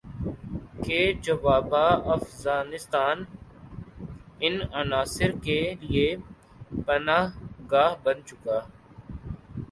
کہ جوابا افغانستان ان عناصر کے لیے پناہ گاہ بن چکا